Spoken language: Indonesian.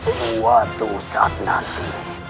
suatu saat nanti